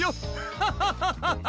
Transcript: ハハハハハ！